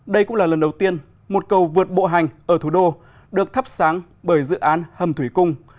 đây cũng là lần đầu tiên một cầu vượt bộ hành ở thủ đô được thắp sáng bởi dự án hầm thủy cung